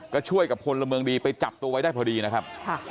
ก็ช่วยกับพลเมืองดีไปจับตัวไว้ได้พอดีนะครับ